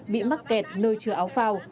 bị mắc kẹt nơi chừa áo phao